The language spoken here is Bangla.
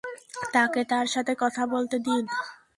তাকে তার সাথে কথা বলতে দিন।